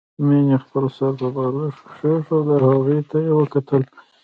مينې خپل سر پر بالښت کېښود او هغوی ته يې وکتل